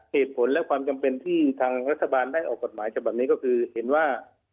เหตุผลและความจำเป็นที่ทางรัฐบาลได้ออกกฎหมายฉบับนี้ก็คือเห็นว่า